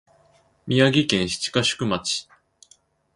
宮城県七ヶ宿町